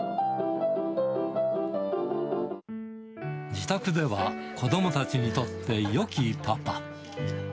自宅では子どもたちにとってよきパパ。